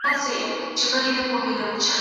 که څېړونکی روڼ اندئ وي نو شننه یې دقیقه ده.